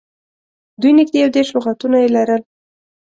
دوی نږدې یو دېرش لغاتونه یې لرل.